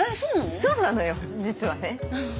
そうなのよ実はね。